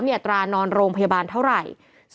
มีอัตรานอนโรงพยาบาลเท่าไหร่